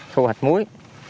thu hoạch muối